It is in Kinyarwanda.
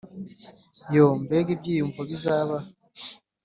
yoo mbega ibyiyumvo bizaba